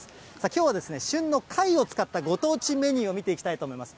きょうは、旬の貝を使ったご当地メニューを見ていきたいと思います。